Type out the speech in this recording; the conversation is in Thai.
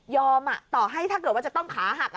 ต่อให้ถ้าเกิดว่าจะต้องขาหัก